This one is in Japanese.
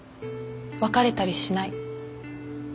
別れたりしない。